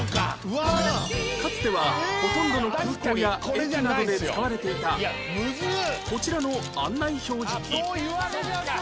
かつてはほとんどの空港や駅などで使われていたこちらの案内表示機